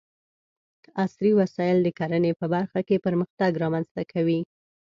عصري وسايل د کرنې په برخه کې پرمختګ رامنځته کوي.